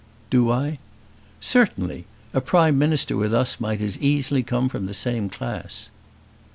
"Do I?" "Certainly! A Prime Minister with us might as easily come from the same class."